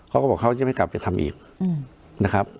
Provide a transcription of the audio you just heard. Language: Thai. เขาก็บอกเขาจะไม่กลับไปทำอีกนะครับ